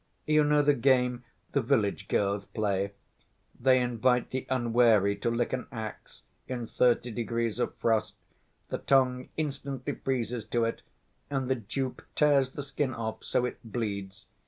You know the game the village girls play—they invite the unwary to lick an ax in thirty degrees of frost, the tongue instantly freezes to it and the dupe tears the skin off, so it bleeds.